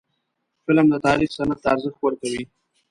قلم د تاریخ سند ته ارزښت ورکوي